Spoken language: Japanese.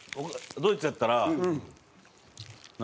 ドイツやったらな。